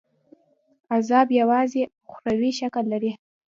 عذاب یوازي اُخروي شکل لري.